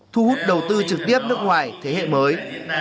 thu hút đầu tư trực tiếp nước ngoài thế hệ mới